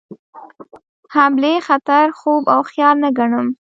حملې خطر خوب او خیال نه ګڼم.